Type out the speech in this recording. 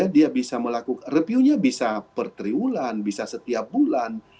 dia bisa melakukan review nya bisa per triwulan bisa setiap bulan